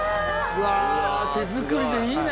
うわ手作りでいいね